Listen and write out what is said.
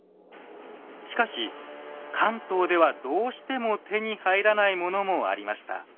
しかし関東ではどうしても手に入らないものもありました。